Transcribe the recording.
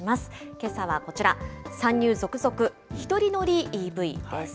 けさはこちら、参入続々、１人乗りＥＶです。